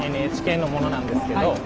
ＮＨＫの者なんですけど。